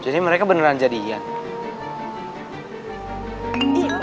jadi mereka beneran jadi ian